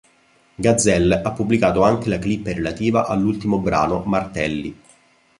Gazzelle, ha pubblicato anche la clip relativa all’ultimo brano Martelli.